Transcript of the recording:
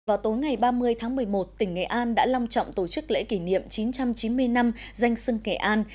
vào tối ngày ba mươi tháng một mươi một tỉnh nghệ an đã long trọng tổ chức lễ kỷ niệm chín trăm chín mươi năm danh sưng nghệ an